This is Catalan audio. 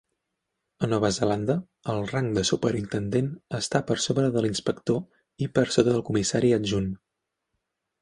A Nova Zelanda, el rang de superintendent està per sobre de l'inspector i per sota del comissari adjunt.